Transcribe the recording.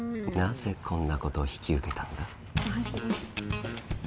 なぜこんなことを引き受けたんだ？